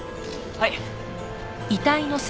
はい。